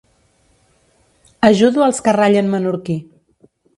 Ajudo els que rallen menorquí.